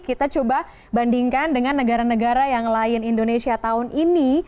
kita coba bandingkan dengan negara negara yang lain indonesia tahun ini